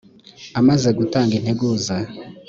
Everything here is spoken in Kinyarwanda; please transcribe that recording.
amaze gutanga integuza.